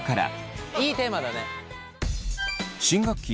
まずはいいテーマだね。